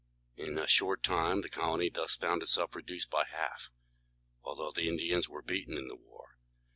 In a short time the colony thus found itself reduced by half, although the Indians were beaten in the war.